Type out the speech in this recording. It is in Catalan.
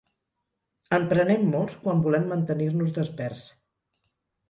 En prenem molts quan volem mantenir-nos desperts.